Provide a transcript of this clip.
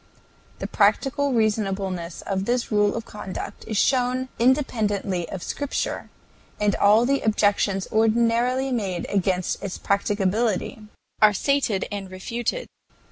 The practical reasonableness of this rule of conduct is shown independently of Scripture, and all the objections ordinarily made against its practicability are stated and refuted.